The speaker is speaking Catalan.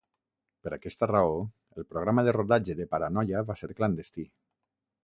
Per aquesta raó, el programa de rodatge de "Paranoia" va ser clandestí.